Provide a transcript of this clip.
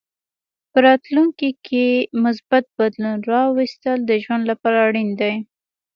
په راتلونکې کې مثبت بدلون راوستل د ژوند لپاره اړین دي.